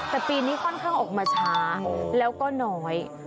แต่ปีนี้ค่อนข้างออกมาช้าแล้วก็น้อย